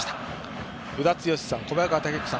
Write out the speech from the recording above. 与田剛さん、小早川毅彦さん